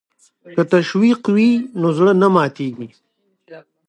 که تشویق وي نو زړه نه ماتیږي.